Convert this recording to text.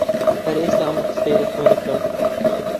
هەر ئێستا ئەم ڕستەیە دەخوێنیتەوە.